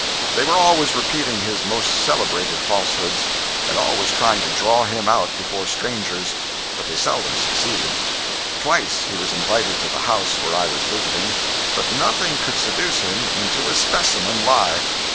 They were always repeating his most celebrated falsehoods, and always trying to "draw him out" before strangers; but they seldom succeeded. Twice he was invited to the house where I was visiting, but nothing could seduce him into a specimen lie.